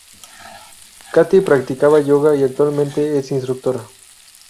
Katty práctica Yoga y actualmente es instructora.